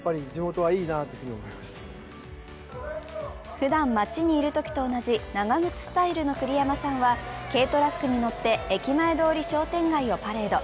ふだん町にいるときと同じ長靴スタイルの栗山さんは、軽トラックに乗って駅前通り商店街をパレード。